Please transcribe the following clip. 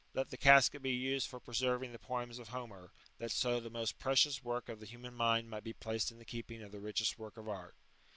let the casket be used for preserving the poems of lomer ;" that so the most precious work of the human mind aight be placed in the keeping of the richest work of art.